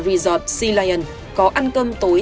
resort sea lion có ăn cơm tối